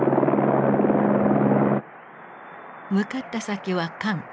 向かった先は韓国。